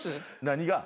何が？